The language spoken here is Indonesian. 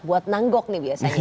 buat nanggok nih biasanya